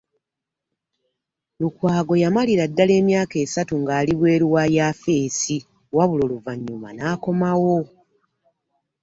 Lukwago yamalira ddala emyaka esatu ng'ali bweru wa yaafeesi wabula oluvannyuma n'akomawo